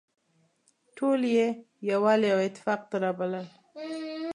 ټول يې يووالي او اتفاق ته رابلل.